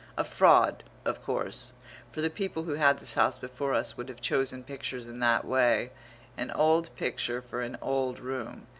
A fraud of course, for the people who had this house before us would have chosen pictures in that way an old picture for an old room.